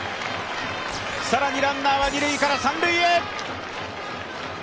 更にランナーは二塁から三塁へ。